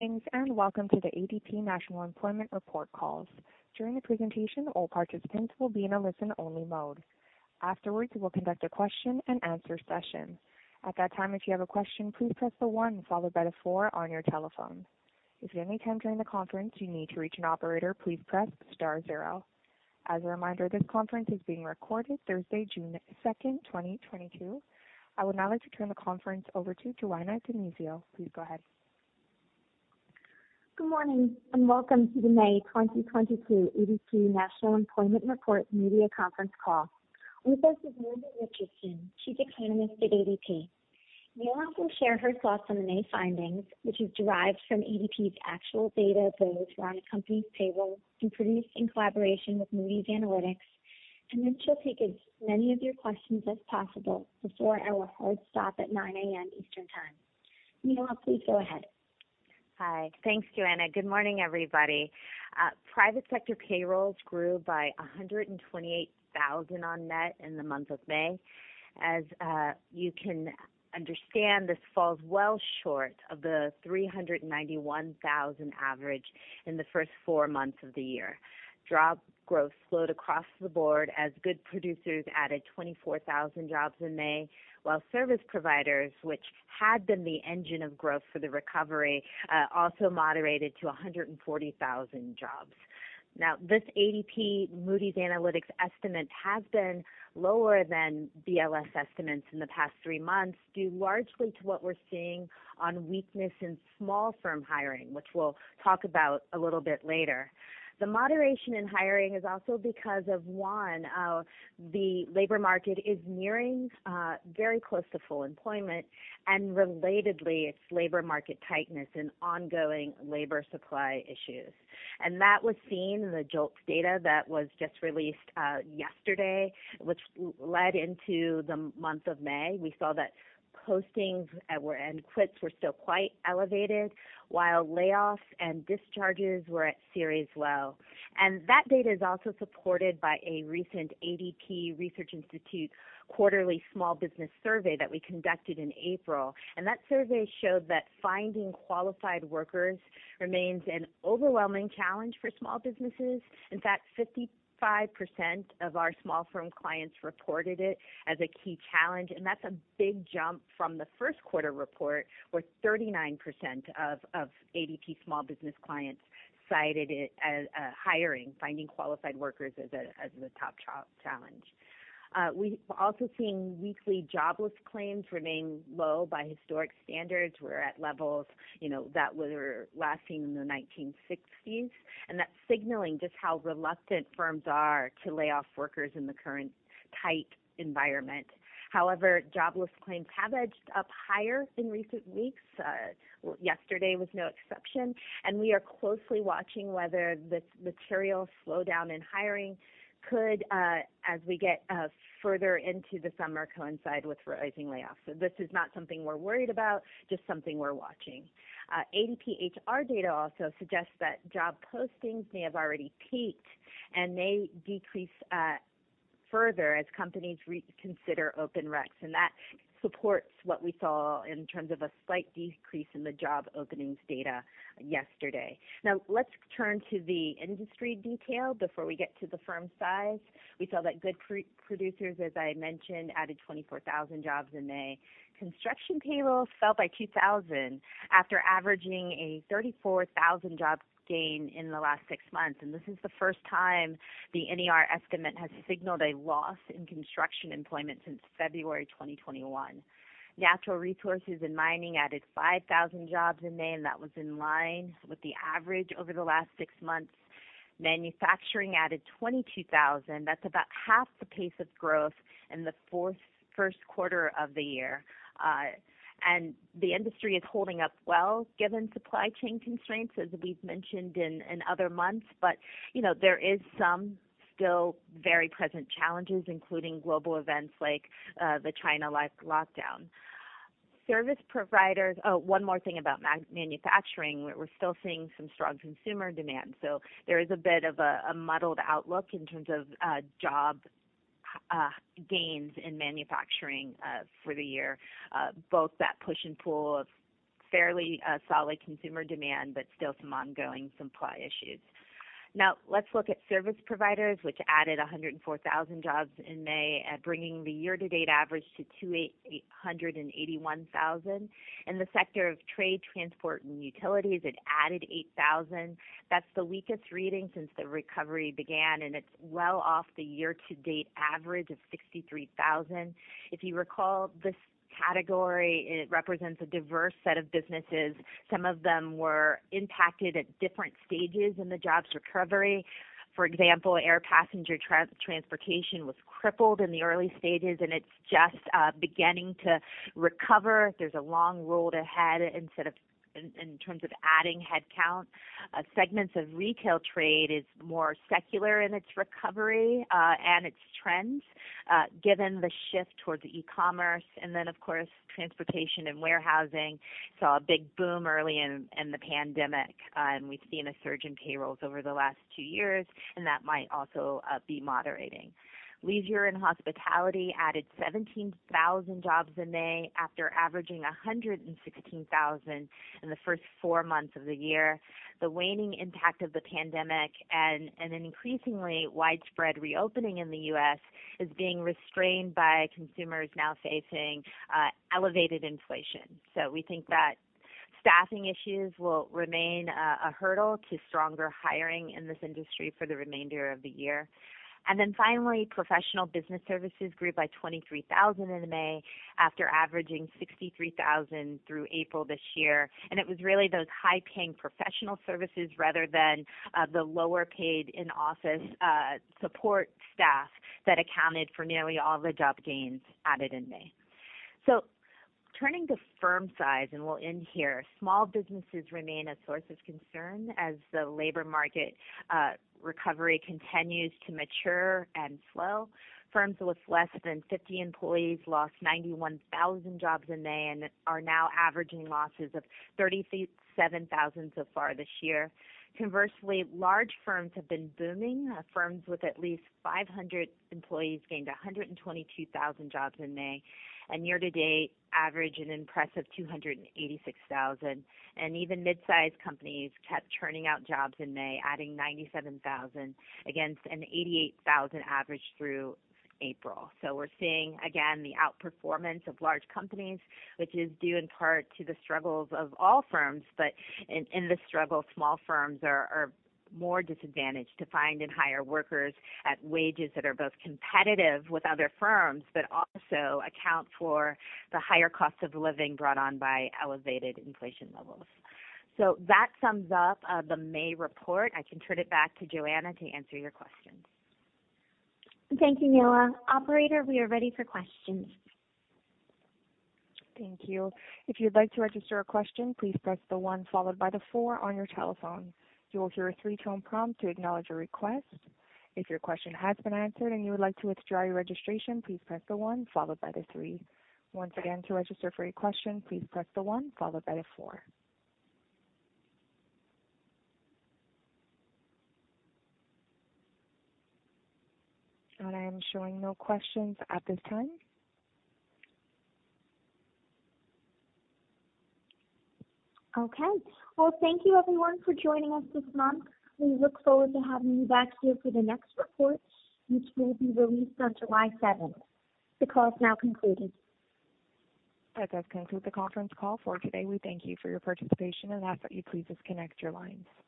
Thanks and welcome to the ADP National Employment report call. During the presentation, all participants will be in a listen-only mode. Afterwards, we'll conduct a question and answer session. At that time, if you have a question, please press one followed by four on your telephone. If at any time during the conference you need to reach an operator, please press star zero. As a reminder, this conference is being recorded Thursday, June 2, 2022. I would now like to turn the conference over to Joanna DiNizio. Please go ahead. Good morning and welcome to the May 2022 ADP National Employment Report media conference call. With us is Nela Richardson. She's Economist at ADP. Nela will share her thoughts on the May findings, which is derived from ADP's actual data, that runs companies' payroll and produced in collaboration with Moody's Analytics. She'll take as many of your questions as possible before our hard stop at 9:00 A.M. Eastern Time. Nela, please go ahead. Hi. Thanks, Joanna. Good morning, everybody. Private sector payrolls grew by 128,000 on net in the month of May. As you can understand, this falls well short of the 391,000 average in the first four months of the year. Job growth slowed across the board as goods producers added 24,000 jobs in May, while service providers, which had been the engine of growth for the recovery, also moderated to 140,000 jobs. Now, this ADP Moody's Analytics estimate has been lower than BLS estimates in the past three months, due largely to what we're seeing in weakness in small firm hiring, which we'll talk about a little bit later. The moderation in hiring is also because of, one, the labor market is nearing very close to full employment, and relatedly, it's labor market tightness and ongoing labor supply issues. That was seen in the JOLTS data that was just released yesterday, which led into the month of May. We saw that postings and quits were still quite elevated, while layoffs and discharges were at series low. That data is also supported by a recent ADP Research Institute quarterly small business survey that we conducted in April. That survey showed that finding qualified workers remains an overwhelming challenge for small businesses. In fact, 55% of our small firm clients reported it as a key challenge, and that's a big jump from the first quarter report, where 39% of ADP small business clients cited it as hiring, finding qualified workers as a, as the top challenge. We've also seen weekly jobless claims remain low by historic standards. We're at levels, you know, that were last seen in the 1960s, and that's signaling just how reluctant firms are to lay off workers in the current tight environment. However, jobless claims have edged up higher in recent weeks. Yesterday was no exception, and we are closely watching whether this material slowdown in hiring could, as we get, further into the summer, coincide with rising layoffs. This is not something we're worried about, just something we're watching. ADP HR data also suggests that job postings may have already peaked and may decrease further as companies reconsider open recs. That supports what we saw in terms of a slight decrease in the job openings data yesterday. Now let's turn to the industry detail before we get to the firm size. We saw that goods producers, as I mentioned, added 24,000 jobs in May. Construction payrolls fell by 2,000 after averaging a 34,000 job gain in the last six months. This is the first time the NER estimate has signaled a loss in construction employment since February 2021. Natural resources and mining added 5,000 jobs in May, and that was in line with the average over the last six months. Manufacturing added 22,000. That's about half the pace of growth in the first quarter of the year. The industry is holding up well given supply chain constraints as we've mentioned in other months. You know there is some still very present challenges, including global events like the China lockdown. Service providers. One more thing about manufacturing. We're still seeing some strong consumer demand, so there is a bit of a muddled outlook in terms of job gains in manufacturing for the year. Both that push and pull of fairly solid consumer demand, but still some ongoing supply issues. Now let's look at service providers, which added 104,000 jobs in May, bringing the year-to-date average to 281,000. In the sector of trade, transport and utilities, it added 8,000. That's the weakest reading since the recovery began, and it's well off the year-to-date average of 63,000. If you recall this category, it represents a diverse set of businesses. Some of them were impacted at different stages in the jobs recovery. For example, air passenger transportation was crippled in the early stages and it's just beginning to recover. There's a long road ahead in terms of adding headcount. Segments of retail trade is more secular in its recovery and its trends given the shift towards e-commerce. Then of course, transportation and warehousing saw a big boom early in the pandemic. And we've seen a surge in payrolls over the last two years and that might also be moderating. Leisure and hospitality added 17,000 jobs in May. After averaging 116,000 in the first four months of the year, the waning impact of the pandemic and an increasingly widespread reopening in the U.S. is being restrained by consumers now facing elevated inflation. We think that staffing issues will remain a hurdle to stronger hiring in this industry for the remainder of the year. Finally, professional business services grew by 23,000 in May after averaging 63,000 through April this year. It was really those high-paying professional services rather than the lower paid in-office support staff that accounted for nearly all the job gains added in May. Turning to firm size, we'll end here. Small businesses remain a source of concern as the labor market recovery continues to mature and slow. Firms with less than 50 employees lost 91,000 jobs in May and are now averaging losses of 37,000 so far this year. Conversely, large firms have been booming. Firms with at least 500 employees gained 122,000 jobs in May. Year-to-date average an impressive 286,000. Even mid-sized companies kept churning out jobs in May, adding 97,000 against an 88,000 average through April. We're seeing, again, the outperformance of large companies, which is due in part to the struggles of all firms. In this struggle, small firms are more disadvantaged to find and hire workers at wages that are both competitive with other firms, but also account for the higher cost of living brought on by elevated inflation levels. That sums up the May report. I can turn it back to Joanna to answer your questions. Thank you, Nela. Operator, we are ready for questions. Thank you. If you'd like to register a question, please press the one followed by the four on your telephone. You will hear a three-tone prompt to acknowledge your request. If your question has been answered and you would like to withdraw your registration, please press the one followed by the three. Once again, to register for your question, please press the one followed by the four. I am showing no questions at this time. Okay. Well, thank you everyone for joining us this month. We look forward to having you back here for the next report, which will be released on July seventh. The call is now concluded. That does conclude the conference call for today. We thank you for your participation and ask that you please disconnect your lines.